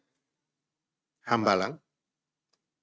kemenpun kemenpun kemenpun kemenpun